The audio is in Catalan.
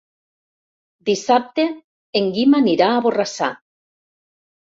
Dissabte en Guim anirà a Borrassà.